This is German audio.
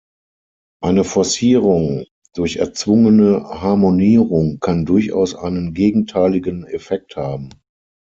Eine Forcierung durch erzwungene Harmonierung kann durchaus einen gegenteiligen Effekt haben.